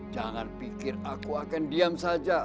jangan pikir aku akan diam saja